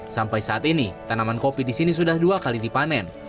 sampai saat ini tanaman kopi di sini sudah dua kali dipanen